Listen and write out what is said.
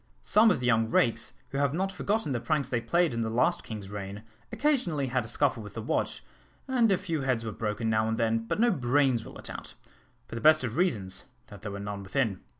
Some of the young rakes, who have not forgotten the pranks they played in the last king's reign, occasionally had a scuffle with the watch, and a few heads were broken now and then, but no brains were let out for the best of reasons, that there were none within.